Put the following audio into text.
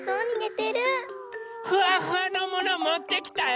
フワフワのものもってきたよ！